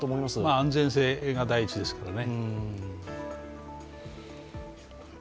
安全性が第一ですからね。